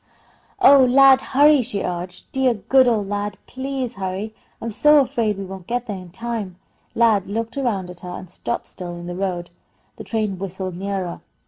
"Oh, Lad, hurry!" she urged. "Dear, good old Lad, please hurry! I'm so afraid we won't get there in time." Lad looked around at her and stopped still in the road. The train whistled nearer.